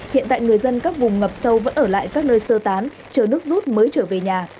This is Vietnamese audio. hiện tại người dân các vùng ngập sâu vẫn ở lại các nơi sơ tán chờ nước rút mới trở về nhà